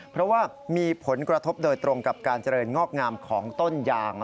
เพราะว่ามีผลกระทบโดยตรงกับการเจริญงอกงามของต้นยาง